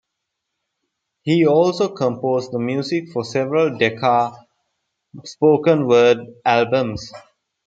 He also composed the music for several Decca spoken word albums.